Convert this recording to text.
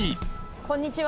こんにちは。